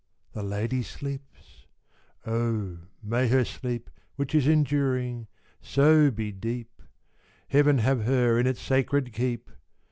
The lady sleeps. Oh, may her sleep, Which is enduring, so be deep! Heaven have her in its sacred keep!